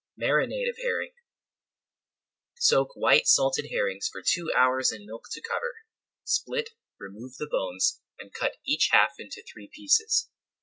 MARINADE OF HERRING Soak white salted herrings for two hours in milk to cover. Split, remove the bones, and cut each half into three pieces.